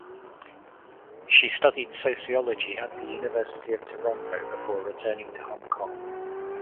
She studied sociology at the University of Toronto before returning to Hong Kong.